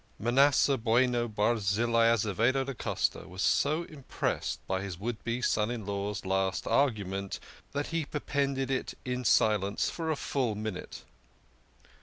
MANASSEH BUENO BARZILLAI AZEVEDO DA COSTA was so im pressed by his would be son in law's last argument that he perpended it in silence for a full minute.